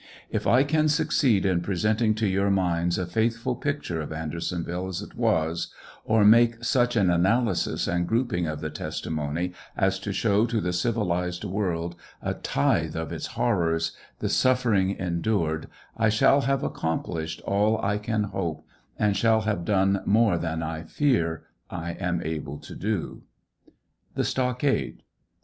If I can succeed in pre senting to your minds a faithful picture of Andersonville as it was, or make such an analysis and grouping of the testimony as to show to the civilized world a tithe of its horrors, the suffering endured, I shall have accomplished all I can hope, and shall have done more than I fear I am able to do. THE STOCKADE.